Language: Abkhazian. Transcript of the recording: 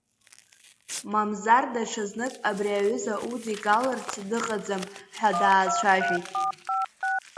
Мамзар даҽазнык абри аҩыза удигаларцгьы дыҟаӡам ҳәа даацәажәеит.